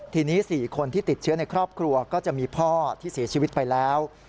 ทีนี้๔คนที่ติดเชื้อในครอบครัวก็จะมีพ่อที่เสียชีวิตไปแล้ว